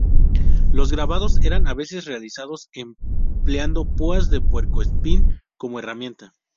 Los grabados eran a veces realizados empleando púas de puerco espín como herramienta.